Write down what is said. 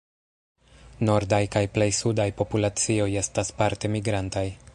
Nordaj kaj plej sudaj populacioj estas parte migrantaj.